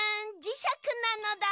じしゃくなのだ。